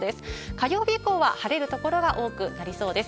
火曜日以降は晴れる所が多くなりそうです。